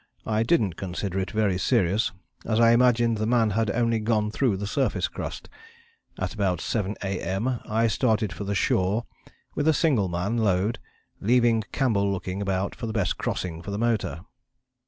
I didn't consider it very serious, as I imagined the man had only gone through the surface crust. About 7 A.M. I started for the shore with a single man load, leaving Campbell looking about for the best crossing for the motor."